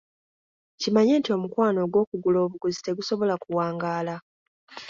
Kimanye nti omukwano ogw'okugula obuguzi tegusobola kuwangaala.